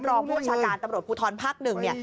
รองประชาการตำรวจภูทรภักดิ์หนึ่ง